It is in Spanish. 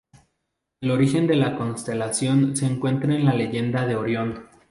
El origen de la constelación se encuentra en la leyenda de Orión.